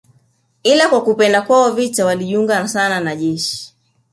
Ila kwa kupenda kwao vita walijiunga sana na jeshi